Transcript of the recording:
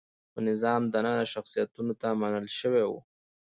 په نظام دننه شخصیتونو ته منل شوي وو.